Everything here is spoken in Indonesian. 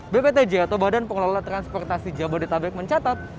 bptj atau badan pengelola transportasi jabodetabek mencatat